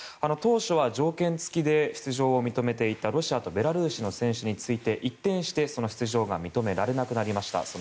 当初は条件付きで出場を認めていたロシアとベラルーシの選手について一転して、その出場が認められなくなりました。